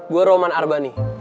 gue roman arbani